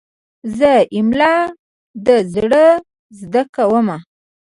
زه املا له زړه زده کوم.